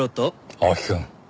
青木くん。